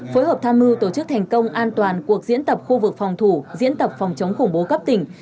phối hợp tham mưu tổ chức thành công an toàn cuộc diễn tập khu vực phòng thủ diễn tập phòng chống khủng bố cấp tỉnh